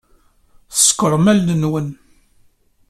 Ṣekkṛem allen-nwen.